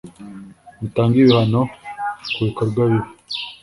mutange ibihano ku bikorwa bibi